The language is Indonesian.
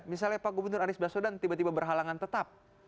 misalnya pak gubernur anies baswedan tiba tiba berhalangan tetap